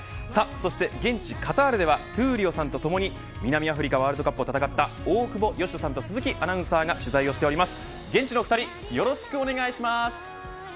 そして現地、カタールでは闘莉王さんともに南アフリカワールドカップＷ杯を戦った大久保嘉人さんと鈴木アナウンサーが取材しています。